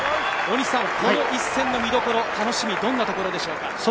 この一戦の見どころ、楽しみ、どんなところでしょうか？